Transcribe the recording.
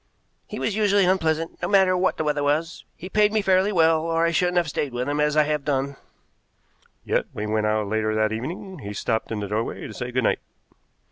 "He was usually unpleasant, no matter what the weather was. He paid me fairly well, or I shouldn't have stayed with him as I have done." "Yet, when he went out later that evening, he stopped in the doorway to say good night."